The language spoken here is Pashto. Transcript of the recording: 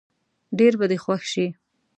ډېر به دې خوښ شي.